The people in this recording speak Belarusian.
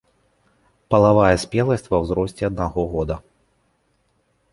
Палавая спеласць ва ўзросце аднаго года.